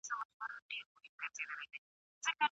د ډلو ترمنځ تل همږغي نه وي.